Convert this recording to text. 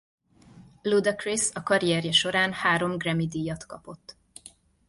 Ludacris a karrierje során három Grammy-díjat kapott.